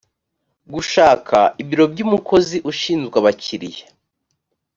gushaka ibiro by umukozi ushinzwe abakiriya